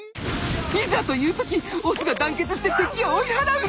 いざという時オスが団結して敵を追い払うの！